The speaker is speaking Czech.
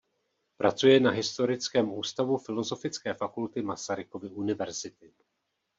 Pracuje na Historickém ústavu Filozofické fakulty Masarykovy univerzity.